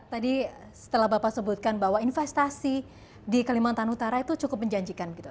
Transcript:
jadi setelah bapak sebutkan bahwa investasi di kelimatan utara itu cukup menjanjikan gitu